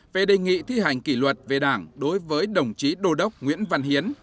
về đề nghị thi hành kỷ luật về đảng đối với đồng chí đô đốc nguyễn văn hiến